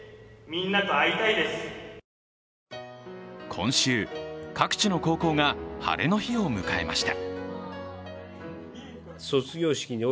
今週、各地の高校が晴れの日を迎えました。